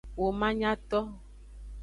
Womanyato.